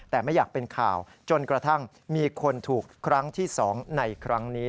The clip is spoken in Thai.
แต่ไม่อยากเป็นข่าวจนกระทั่งมีคนถูกครั้งที่๒ในครั้งนี้